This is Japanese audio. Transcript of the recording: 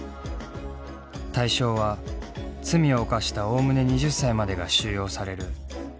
対象は罪を犯したおおむね２０歳までが収容される全国の少年院。